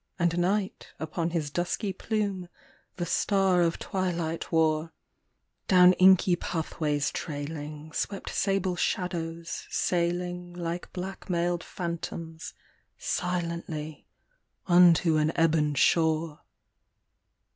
And night upon his dusky plume the star of twilight wore ; Down inky pathways trailing swept sable shadows, sailing Like black mailed phantoms silently unto an ebon shore.